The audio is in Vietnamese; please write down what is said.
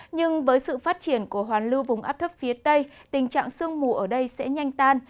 nhưng với sự phát triển của hoàn lưu vùng áp thấp phía tây tình trạng sương mù ở đây sẽ nhanh tan